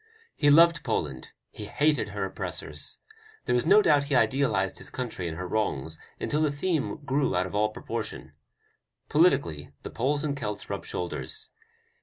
He loved Poland, he hated her oppressors. There is no doubt he idealized his country and her wrongs until the theme grew out of all proportion. Politically the Poles and Celts rub shoulders.